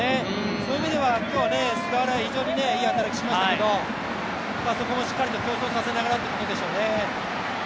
そういう意味では菅原、いい働きしましたけど、そこもしっかりと競争させながらということでしょうね。